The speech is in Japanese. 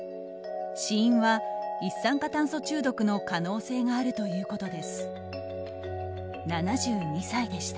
死因は一酸化炭素中毒の可能性があるということです。